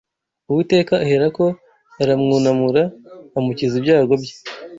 Uwiteka aherako aramwunamura amukiza ibyago bye